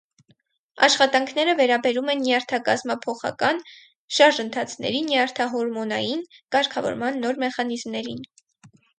Աշխատանքները վերաբերում են նյարդակազմափոխական շարժընթացների նյարդահորմոնային կարգավորման նոր մեխանիզմներին։